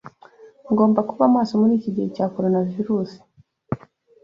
Ngomba kuba maso muri ikigihe cya Coronavirusi.